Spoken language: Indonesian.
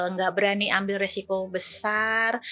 nggak berani ambil resiko besar